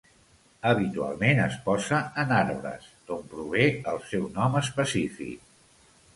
Habitualment es posa en arbres, d'on prové el seu nom específic.